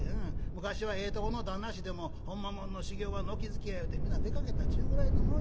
昔はええとこの旦那衆でもほんまもんの修業は軒づけやいうて皆出かけたっちゅうくらいのもんやがな。